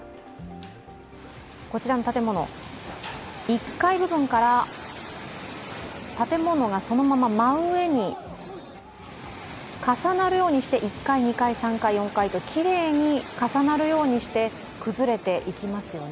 こちらの建物、１階部分から建物がそのまま真上に重なるようにして１階、２階、３階、４階ときれいに重なるようにして崩れていきますよね。